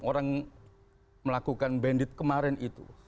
orang melakukan bandit kemarin itu